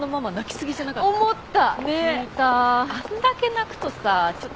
あんだけ泣くとさちょっとこっちもさ。